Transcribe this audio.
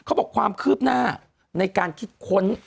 บอกความคืบหน้าในการคิดค้น